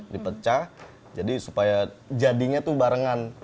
dipecah jadi supaya jadinya tuh barengan